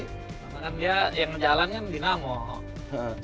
karena kan dia yang ngejalan kan dinamo